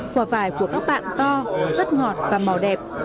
quả vải của các bạn to rất ngọt và màu đẹp